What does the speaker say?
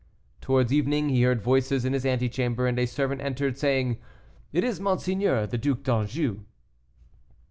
Towards evening he heard voices in his ante chamber, and a servant entered, saying, "It is Monseigneur the Duc d'Anjou."